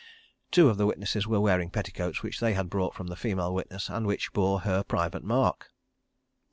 Two of the witnesses were wearing petticoats which they had bought from the female witness, and which bore her private mark.